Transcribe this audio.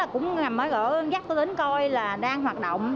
cũng gặp tôi đến coi là đang hoạt động